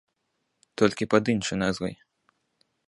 Толькі пад іншай назвай.